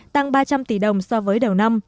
tăng ba trăm linh tỷ đồng so với đầu năm